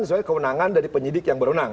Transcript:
sesuai kewenangan dari penyidik yang berunang